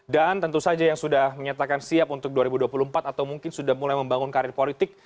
dan tentu saja yang sudah menyatakan siap untuk dua ribu dua puluh empat atau mungkin sudah mulai membangun karir politik